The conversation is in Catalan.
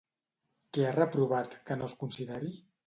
Què ha reprovat que no es consideri?